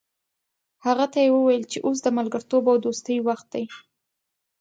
هغه ته یې وویل چې اوس د ملګرتوب او دوستۍ وخت دی.